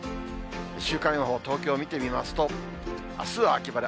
週間予報、東京見てみますと、あすは秋晴れ。